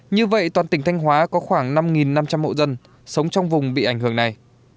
như vậy toàn tỉnh thanh hóa có khoảng năm năm trăm linh hộ dân sống trong vùng bị ảnh hưởng này